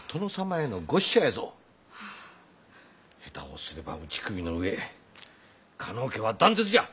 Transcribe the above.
下手をすれば打ち首の上加納家は断絶じゃ！